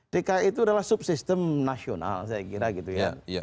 dki itu adalah subsistem nasional saya kira gitu ya